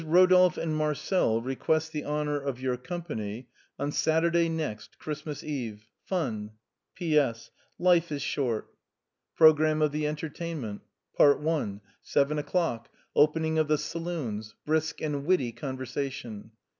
Rodolphe and Marcel request the honor of your company on Satur day next, Christmas Eve. Fun I P.S. Life is short! ^rosramnw of i^t îgntMtafnmtnt. PART I. 7 o'clock. — Opening of the saloons. Brisk and witty conversation.